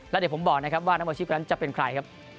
และเดี๋ยวผมบอกนะครับว่านักมูลอาชีพกว่านั้นจะเป็นใคร